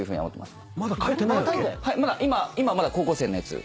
今まだ高校生のやつ。